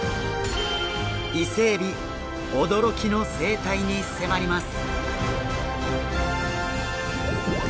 イセエビ驚きの生態に迫ります！